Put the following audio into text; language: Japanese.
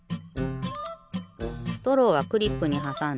ストローはクリップにはさんで。